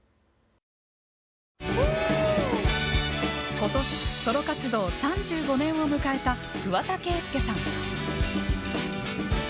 今年ソロ活動３５年を迎えた桑田佳祐さん。